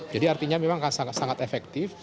jadi artinya memang sangat efektif